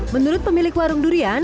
menurut pemilik warung durian